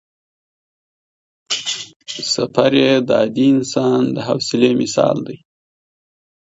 سفر یې د عادي انسان د حوصلې مثال دی.